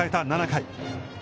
７回。